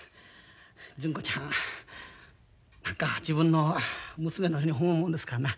純子ちゃん何か自分の娘のように思うもんですからな。